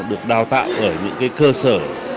được đào tạo ở những cơ sở